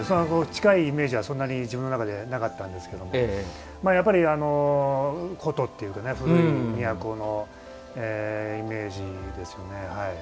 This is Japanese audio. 近いイメージはそんなに自分の中でなかったんですけども。古都っていうと古い都のイメージですよね。